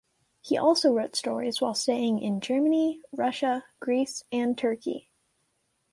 He also wrote stories while staying in Germany, Russia, Greece, and Turkey.